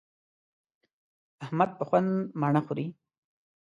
احمد په خوند مڼه خوري.